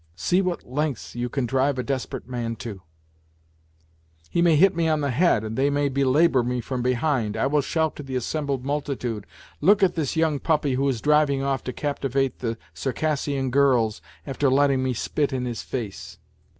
" See what lengths you can drive a desperate man to !" He may hit me on the head and they may belabour me from behind. I will shout to the assembled multitude :" Look at this young puppy who is driving off to capti vate the Circassian girls after letting me spit in his face